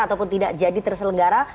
ataupun tidak jadi terselenggara